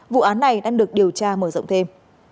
vụ án này đang được điều tra mở rộng thêm